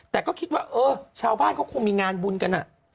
แต่ก็คิดว่าเออชาวบ้านเขาคงมีงานบุญกัน